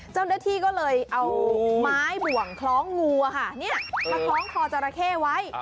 เจ้าหน้าที่ก็เลยเอาไม้บ่วงคล้องงูมาคล้องคอจราเข้ไว้